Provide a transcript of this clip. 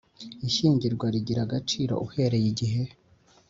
Ishyingirwa rigira agaciro uhereye igihe